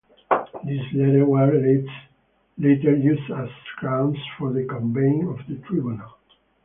This letter was later used as grounds for the convening of the tribunal.